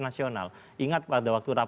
nasional ingat pada waktu